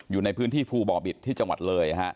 อยู่ในพื้นที่ภูบ่อบิตที่จังหวัดเลยฮะ